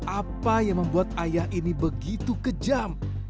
apa yang membuat ayah ini begitu kejam